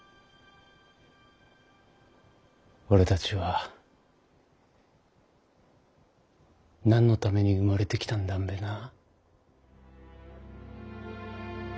俺たちは何のために生まれてきたんだんべなぁ？